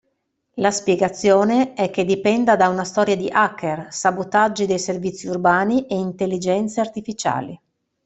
La spiegazione è che dipenda da una storia di hacker, sabotaggi dei servizi urbani e intelligenze artificiali.